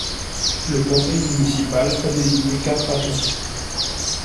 Le conseil municipal a désigné quatre adjoints.